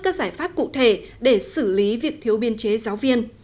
các giải pháp cụ thể để xử lý việc thiếu biên chế giáo viên